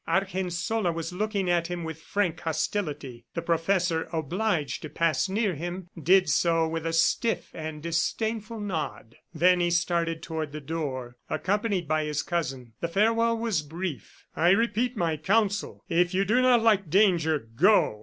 Argensola was looking at him with frank hostility. The professor, obliged to pass near him, did so with a stiff and disdainful nod. Then he started toward the door, accompanied by his cousin. The farewell was brief. "I repeat my counsel. If you do not like danger, go!